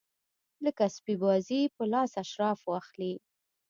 لکه سپي بازي په لاس اشراف واخلي.